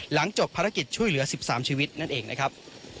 หลังจบภารกิจช่วยเหลือ๑๓ชีวิตนั่นเองนะครับ